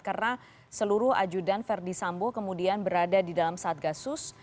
karena seluruh ajudan verdi sambo kemudian berada di dalam saat kasus